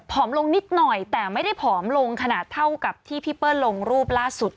อมลงนิดหน่อยแต่ไม่ได้ผอมลงขนาดเท่ากับที่พี่เปิ้ลลงรูปล่าสุด